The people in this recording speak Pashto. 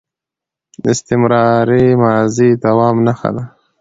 استمراري ماضي د دوام نخښه ده.